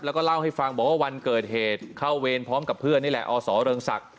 แล้วก็เล่าให้ฟังบอกว่าวันเกิดเหตุเข้าเวรพร้อมกับเพื่อนนี่แหละอศเริงศักดิ